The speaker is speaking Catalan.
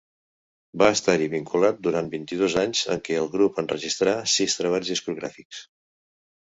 Va estar-hi vinculat durant vint-i-dos anys, en què el grup enregistrà sis treballs discogràfics.